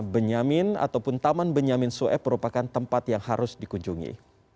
benyamin ataupun taman benyamin sueb merupakan tempat yang harus dikunjungi